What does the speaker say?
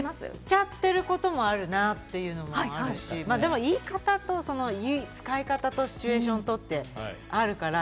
言っちゃってることもあるし、でも言い方と使い方とシチュエーションとってあるから。